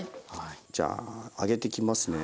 じゃあ揚げていきますね。